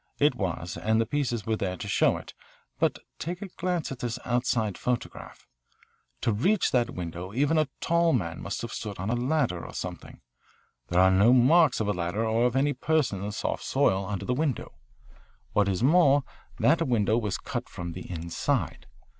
It was, and the pieces were there to show it. But take a glance at this outside photograph. To reach that window even a tall man must have stood on a ladder or something. There are no marks of a ladder or of any person in the soft soil under the window. What is more, that window was cut from the inside.